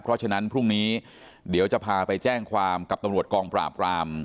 เพราะฉะนั้นพรุ่งนี้เดี๋ยวจะพาไปแจ้งความกับตำรวจกองปราบราม